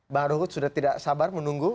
bang ruhut sudah tidak sabar menunggu